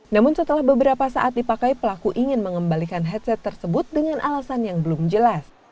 namun setelah beberapa saat dipakai pelaku ingin mengembalikan headset tersebut dengan alasan yang belum jelas